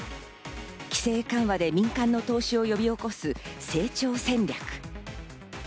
規制緩和で民間の投資を呼び起こす成長戦略。